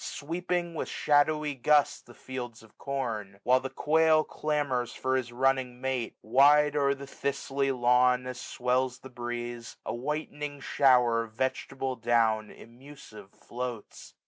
Sweeping with shadowy gust the fields of corn ; 1655 While the quail clamours for his running mate. Wide o'er the thistly lawn, as swells the breeze, A whitening shower of vegetable down Amusive floats.